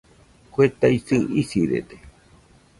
Kue taisɨ isirede